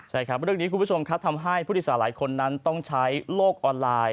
ใช่ครับเรื่องนี้คุณผู้ชมครับทำให้ผู้โดยสารหลายคนนั้นต้องใช้โลกออนไลน์